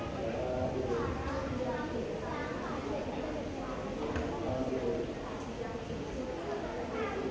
สวัสดีครับสวัสดีครับ